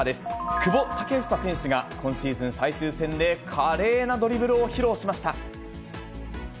久保建英選手が今シーズン最終戦で、華麗なドリブルを披露しました。